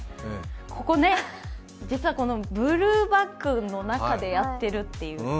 ここ、実はブルーバックの中でやってるっていう。